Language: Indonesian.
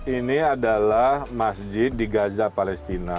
ini adalah masjid di gaza palestina